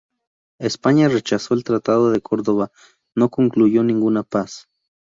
España rechazó el tratado de Córdoba, no concluyó ninguna paz.